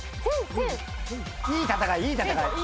いい戦いいい戦い。